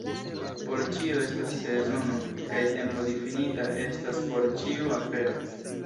Por ĉio estas sezono, kaj tempo difinita estas por ĉiu afero.